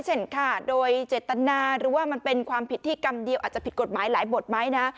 ฆ่าโดยเจตนาหรือว่ามันเป็นความผิดที่กรรมเดียวอาจจะผิดกฎหมายหลายบทไหมนะ